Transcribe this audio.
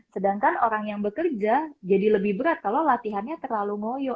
sedangkan orang yang bekerja jadi lebih berat kalau latihannya terlalu ngoyo